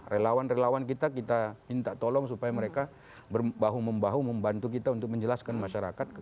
relawan relawan kita kita minta tolong supaya mereka bahu membahu membantu kita untuk menjelaskan masyarakat